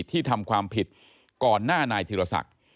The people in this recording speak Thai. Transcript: ที่ทำความผิดก่อนหน้านายธิรศักดิ์